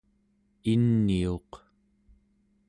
iniuq